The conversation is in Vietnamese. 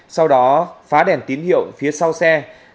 sau đó phá đèn tín hiệu phía sau xe